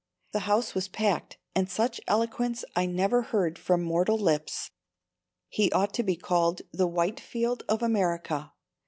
The house was packed and such eloquence I never heard from mortal lips. He ought to be called the Whitefield of America.